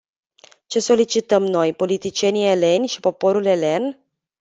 Ce solicităm noi, politicienii eleni, și poporul elen?